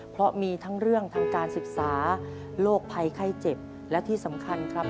เพราะมีทั้งเรื่องทางการศึกษาโรคภัยไข้เจ็บและที่สำคัญครับ